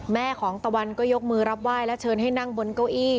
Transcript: แม่ของตะวันก็ยกมือรับไหว้และเชิญให้นั่งบนเก้าอี้